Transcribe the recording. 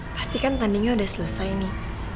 pastikan tandingnya udah selesai nih